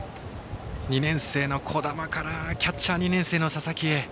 ２年生の樹神からキャッチャー、２年生の佐々木へ。